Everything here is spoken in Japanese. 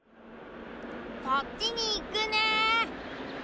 そっちにいくね。